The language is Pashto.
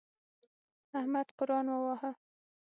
احمد قرآن وواهه.